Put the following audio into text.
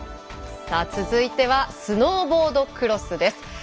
続いてはスノーボードクロスです。